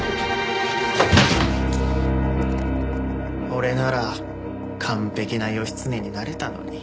俺なら完璧な義経になれたのに。